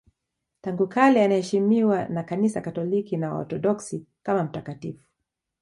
Tangu kale anaheshimiwa na Kanisa Katoliki na Waorthodoksi kama mtakatifu.